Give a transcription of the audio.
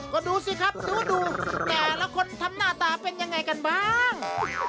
ก็ดูสิครับดูแต่ละคนทำหน้าตาเป็นยังไงกันบ้าง